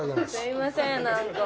すいませんなんか。